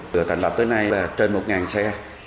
từ thành lập tới nay là trên một xe